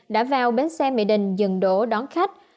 đã vào bến xe mỹ đình dừng đổ đón khách